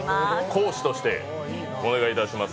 講師としてお願いいたします。